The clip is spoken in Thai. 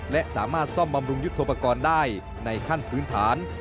และสามารถซ่อมบำรุงยุทธโปรกรณ์ได้ในขั้นพื้นฐาน